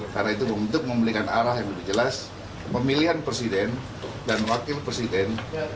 karena itu untuk memberikan arah yang lebih jelas pemilihan presiden dan wakil presiden